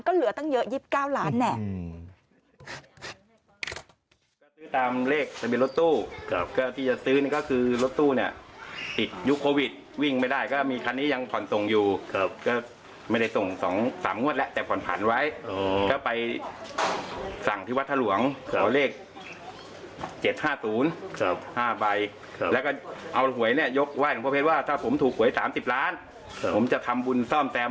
ก็เหลือตั้งเยอะยิบ๙ล้านแน่